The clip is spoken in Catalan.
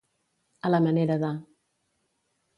A la manera de.